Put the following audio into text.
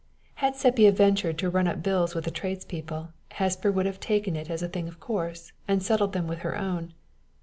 Had Sepia ventured to run up bills with the tradespeople, Hesper would have taken it as a thing of course, and settled them with her own.